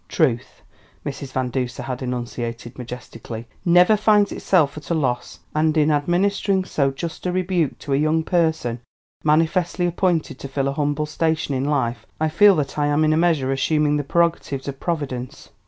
"Truth," Mrs. Van Duser had enunciated majestically, "never finds itself at a loss. And in administering so just a rebuke to a young person manifestly appointed to fill a humble station in life I feel that I am in a measure assuming the prerogatives of Providence."